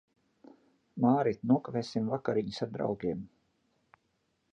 Māri, nokavēsim vakariņas ar draugiem.